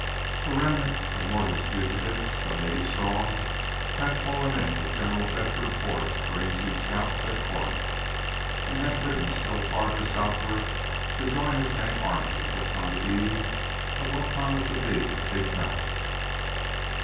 The remnant of Morgan fugitives, some eighty strong, had fallen in with General Bedford Forrest's ranging scouts at Corinth, and had ridden still farther southward to join his main army just on the eve of what promised to be a big battle.